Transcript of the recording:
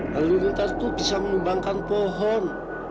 hal ini tentu bisa menumbangkan pohon